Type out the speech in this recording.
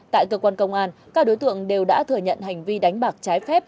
tại cơ quan công an các đối tượng đều đã thừa nhận hành vi đánh bạc trái phép